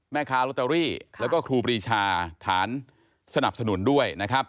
แม่ค้าลอตเตอรี่แล้วก็ครูปรีชาฐานสนับสนุนด้วยนะครับ